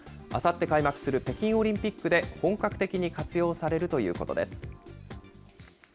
あさって開幕する北京オリンピックで、本格的に活用されるということです。